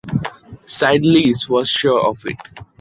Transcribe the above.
Cydalise was sure of it.